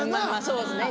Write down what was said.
そうですね